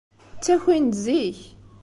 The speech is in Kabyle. Ttakin-d zik.